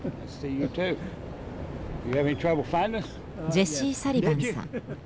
ジェシー・サリバンさん。